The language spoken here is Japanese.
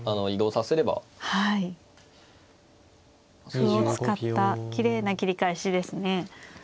歩を使ったきれいな切り返しですね。